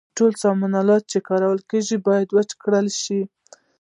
ټول سامان آلات چې کارول کیږي باید وچ کړای شي.